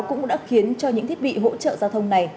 cũng đã khiến cho những thiết bị hỗ trợ giao thông này